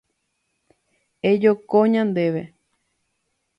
Ejoko ñandéve.